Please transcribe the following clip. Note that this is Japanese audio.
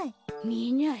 みえない？